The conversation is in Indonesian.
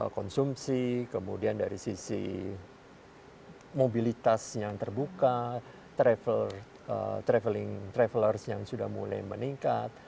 konsumsi kemudian dari sisi mobilitas yang terbuka travelers yang sudah mulai meningkat